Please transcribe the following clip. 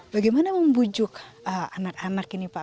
bagaimana membujuk anak anak ini pak